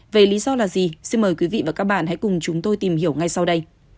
về lý do là gì xin mời quý vị và các bạn hãy cùng chúng tôi tìm hiểu ngay sau đây